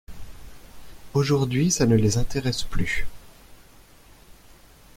Aujourd’hui, ça ne les intéresse plus.